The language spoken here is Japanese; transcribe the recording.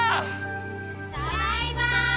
ただいま！